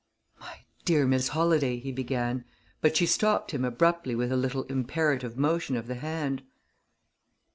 "My dear Miss Holladay," he began, but she stopped him abruptly with a little imperative motion of the hand.